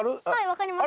わかります。